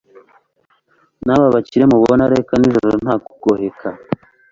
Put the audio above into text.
naba bakire mubona reka n'injoro ntakugoheka